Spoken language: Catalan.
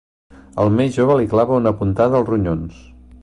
El més jove li clava una puntada als ronyons.